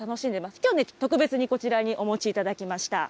きょうね、特別にこちらにお持ちいただきました。